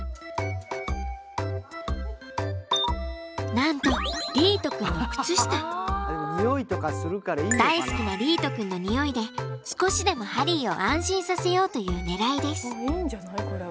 なんと大好きな莉絃くんのにおいで少しでもハリーを安心させようというねらいです。